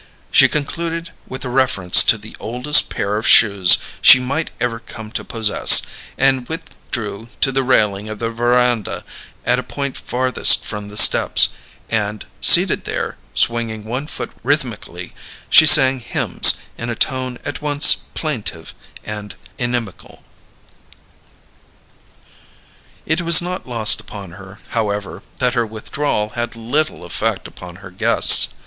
She concluded with a reference to the oldest pair of shoes she might ever come to possess; and withdrew to the railing of the veranda at a point farthest from the steps; and, seated there, swinging one foot rhythmically, she sang hymns in a tone at once plaintive and inimical. It was not lost upon her, however, that her withdrawal had little effect upon her guests.